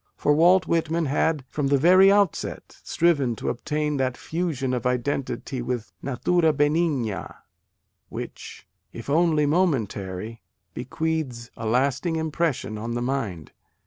For Walt Whitman had, from the very outset, striven to obtain that fusion of identity with A DAY WITH WALT WHITMAN. Natura Benigna, which, even if only momentary, bequeathes a lasting impression on the mind.